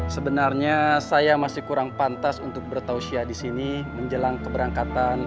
sebenarnya saya masih kurang pantas untuk bertausya disini menjelang keberangkatan